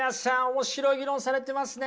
面白い議論されてますね！